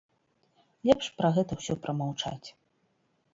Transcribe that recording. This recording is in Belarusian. Лепш пра гэта ўсё прамаўчаць.